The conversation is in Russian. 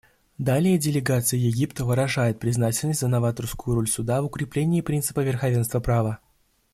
Далее делегация Египта выражает признательность за новаторскую роль Суда в укреплении принципа верховенства права.